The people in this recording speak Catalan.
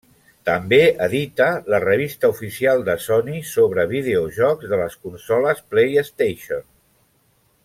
També edita la revista oficial de Sony sobre videojocs de les consoles PlayStation.